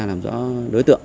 làm rõ đối tượng